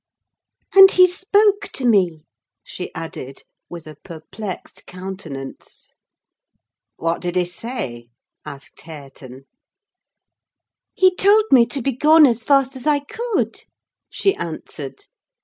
"And he spoke to me," she added, with a perplexed countenance. "What did he say?" asked Hareton. "He told me to begone as fast as I could," she answered.